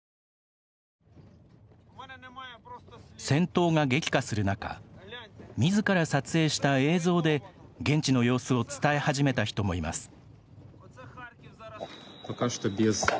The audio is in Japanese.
戦闘が激化する中みずから撮影した映像で現地の様子を伝え始めた人もいます。